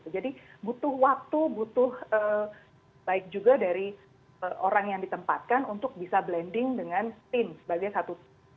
jadi butuh waktu butuh baik juga dari orang yang ditempatkan untuk bisa blending dengan team sebagai satu